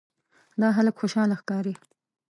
دا هلک خوشاله ښکاري.